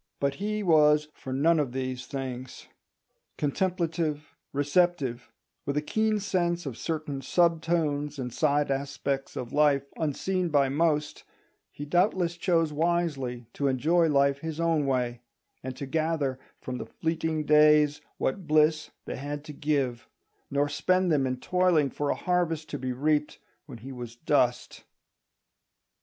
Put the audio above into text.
But he was for none of these things. Contemplative, receptive, with a keen sense of certain sub tones and side aspects of life unseen by most, he doubtless chose wisely to enjoy life his own way, and to gather from the fleeting days what bliss they had to give, nor spend them in toiling for a harvest to be reaped when he was dust.